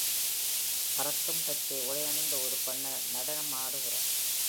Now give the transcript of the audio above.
பறக்கும் பச்சை உடையணிந்த ஒரு பெண் நடனம் ஆடுகிறார்.